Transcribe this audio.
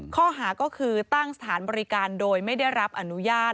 ข้อหาก็คือตั้งสถานบริการโดยไม่ได้รับอนุญาต